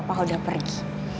papa kau udah pergi